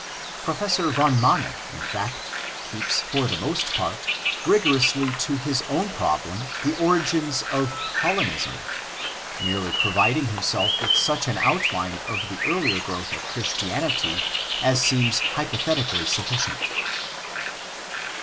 Professor van Manen, in fact, keeps for the most part rigorously to his own problem of the origins of Paulinism, merely pro viding himself with such an outline of the earlier growth of Christianity as seems hypothetically sufficient.